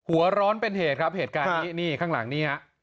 หัวร้อนเป็นเหตุครับเหตุการณ์นี้นี่ข้างหลังนี่ฮะ